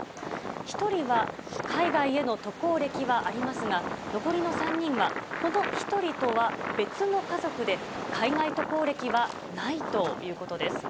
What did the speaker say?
１人は海外への渡航歴はありますが、残りの３人は、この１人とは別の家族で、海外渡航歴はないということです。